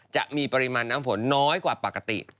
จะมีปริมาณน้ำฝนน้อยกว่าปกติ